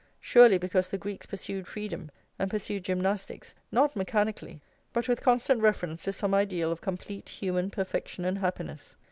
Surely because the Greeks pursued freedom and pursued gymnastics not mechanically, but with constant reference to some ideal of complete human perfection and happiness.